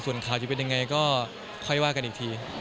ส่วนข่าวจะเป็นยังไงก็ค่อยว่ากันอีกที